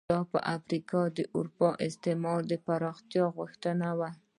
دا په افریقا کې د اروپایي استعمار او پراختیا غوښتنې وو.